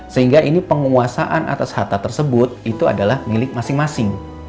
sehingga ini penguasaan atas harta tersebut itu adalah milik masing masing